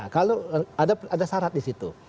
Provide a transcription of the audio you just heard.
kalau ada syarat di situ